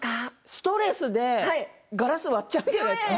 ストレスでガラスを割っちゃうんじゃないですか？